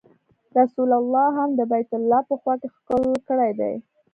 رسول الله هم د بیت الله په خوا کې ښکل کړی دی.